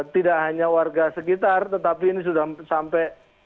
tidak hanya warga sekitar tetapi ini sudah sampai